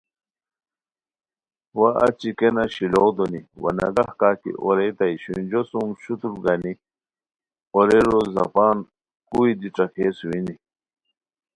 وا اچی کینہ شیلوغ دونی وا نگہ کا اوریتائے شونجو سُم شوتور گانی اورئیرو زپان کوئی دی ݯاکئے سوئینی